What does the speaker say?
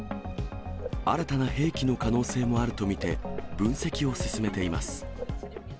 新たな兵器の可能性もあると見て、分析を進めています。